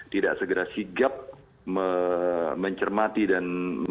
tidak segera sigap mencermati dan